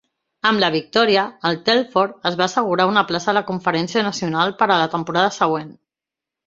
Amb la victòria, el Telford es va assegurar una plaça a la Conferència Nacional per a la temporada següent.